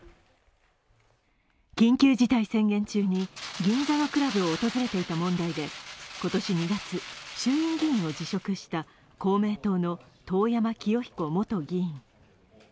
緊急事態宣言中に銀座のクラブを訪れていた問題で今年２月、衆院議員を辞職した公明党の遠山清彦元衆院議員。